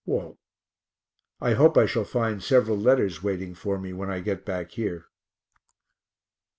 WALT. I hope I shall find several letters waiting for me when I get back here.